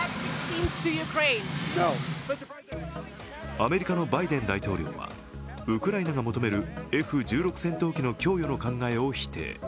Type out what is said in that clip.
アメリカのバイデン大統領はウクライナが求めるＦ１６戦闘機の供与の考えを否定。